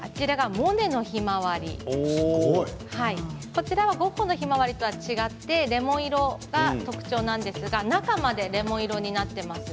こちらはゴッホのひまわりと違ってレモン色が特徴なんですが中までレモン色、になっています。